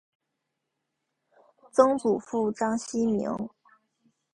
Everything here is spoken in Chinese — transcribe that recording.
曾祖父章希明。